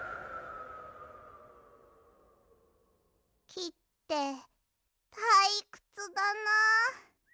きってたいくつだなあ。